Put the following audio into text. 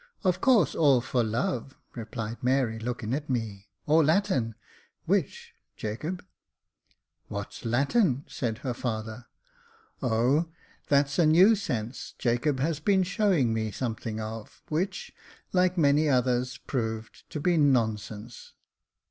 " Of course all for love," replied Mary, looking at me, " or Latin — which, Jacob ?"" What's Latin ?" said her father. " Oh ! that's a new sense Jacob has been showing me something of, which, like many others, proved to be non sense."